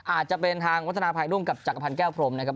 อาจจะเป็นทางวัฒนาภัยรุ่งกับจักรพันธ์แก้วพรมนะครับ